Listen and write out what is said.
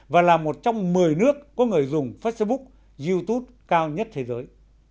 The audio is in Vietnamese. và là một trong một mươi nước có người dùng facebook youtube cao nhất thế giới